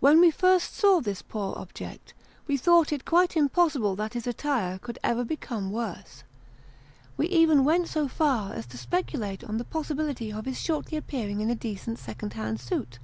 When we first saw this poor object, we thought it quite impossible that his attire could ever become worse. We even went so far, as to speculate on the possibility of his shortly appearing in a decent second hand suit.